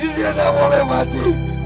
iziak tak mau lewati